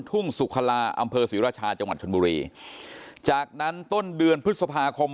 ทุ่งสุขลาอำเภอศรีราชาจังหวัดชนบุรีจากนั้นต้นเดือนพฤษภาคม